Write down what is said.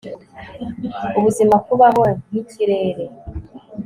Ubuzima Kubaho nkikirere